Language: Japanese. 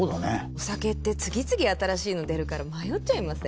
お酒って次々新しいの出るから迷っちゃいません？